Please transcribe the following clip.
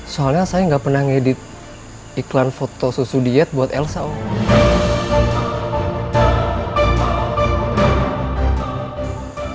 soalnya saya nggak pernah ngedit iklan foto susu diet buat elsa